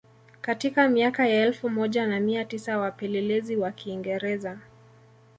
Katika miaka ya elfu moja na mia tisa wapelelezi wa Kiingereza